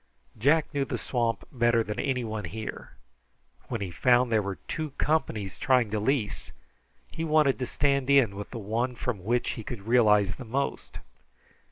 Jack knew the swamp better than anyone here. When he found there were two companies trying to lease, he wanted to stand in with the one from which he could realize the most.